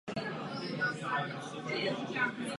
Jako první použili metodu opevněné osady typu Hradba a věž.